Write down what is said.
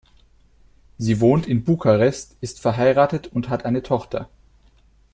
Sie wohnt in Bukarest, ist verheiratet und hat eine Tochter.